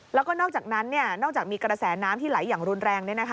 แล้วก็นอกจากนั้นนอกจากมีกระแสน้ำที่ไหลอย่างรุนแรง